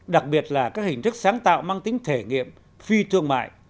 đặc biệt là các hình thức sáng tạo mang tính thể nghiệm phi thương mại